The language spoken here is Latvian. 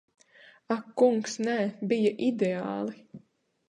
Ak kungs, nē. Bija ideāli.